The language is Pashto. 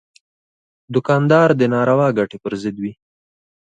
دوکاندار د ناروا ګټې پر ضد وي.